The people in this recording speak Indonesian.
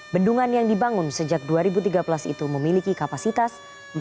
bendungan yang dibangun sejak dua ribu tiga belas itu memiliki kapasitas